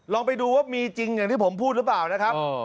ลองไปดูว่ามีจริงอย่างที่ผมพูดหรือเปล่านะครับ